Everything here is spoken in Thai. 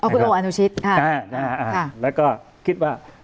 อ๋อคุณโอกส์อนุชิตใช่แล้วก็คิดว่า